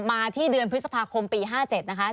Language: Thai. มาที่เดือนพฤษภาคมปี๕๗นะคะ